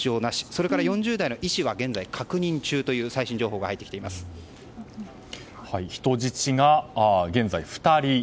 それから４０代の医師は現在、確認中という人質が現在２人。